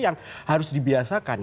yang harus dibiasakan